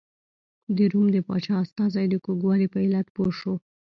د روم د پاچا استازی د کوږوالي په علت پوه شو.